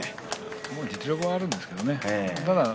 実力はあるんですものね。